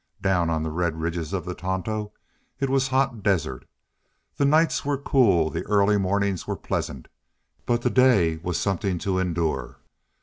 Down on the red ridges of the Tonto it was hot desert. The nights were cool, the early mornings were pleasant, but the day was something to endure.